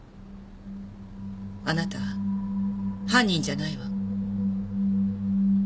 あなた犯人じゃないわ。